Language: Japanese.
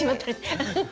ハハハ。